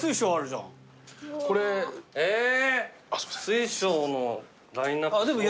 水晶のラインアップすご。